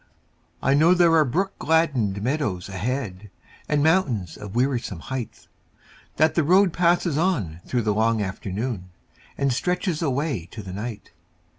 I know there are brook gladdened meadows ahead, And mountains of wearisome height; That the road passes on through the long afternoon And stretches away to the night.